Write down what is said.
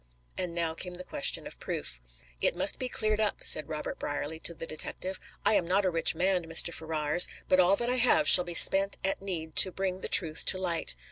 And now came the question of proof. "It must be cleared up," said Robert Brierly to the detective. "I am not a rich man, Mr. Ferrars, but all that I have shall be spent at need to bring the truth to light.